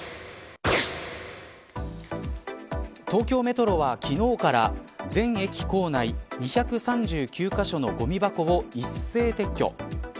東京メトロは昨日から全駅構内２３９カ所のごみ箱を一斉撤去。